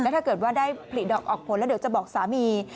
ถ้าเกิดว่าได้ผลิดอกออกผลแล้วเดี๋ยวจะบอกสามี